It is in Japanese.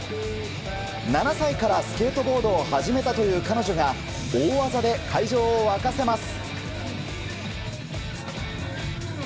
７歳からスケートボードを始めたという彼女が大技で会場を沸かせます。